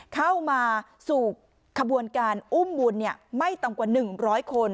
เข้ามาสู่ขบวนการอุ้มบุญไม่ต่ำกว่า๑๐๐คน